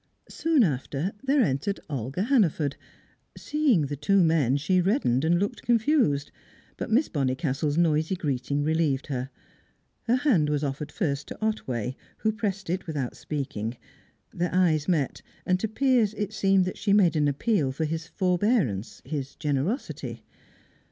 Soon after, there entered Olga Hannaford. Seeing the two men, she reddened and looked confused, but Miss Bonnicastle's noisy greeting relieved her. Her hand was offered first to Otway, who pressed it without speaking; their eyes met, and to Piers it seemed that she made an appeal for his forbearance, his generosity.